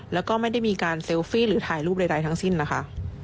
แล้วก็ไม่ได้มีการเซลฟี่หรือถ่ายรูปใดทั้งสิ้นนะคะ